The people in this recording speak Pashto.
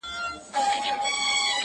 “ما چي د زاهد کیسه کول تاسي به نه منل.!